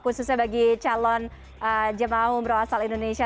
khususnya bagi calon jemaah umroh asal indonesia